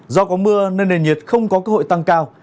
do có mưa nên nền nhiệt không có cơ hội tăng cao